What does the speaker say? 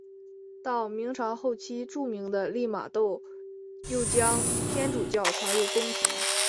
到明朝后期著名的利玛窦又将天主教传入宫廷。